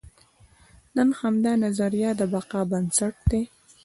نن همدا نظریه د بقا بنسټ دی.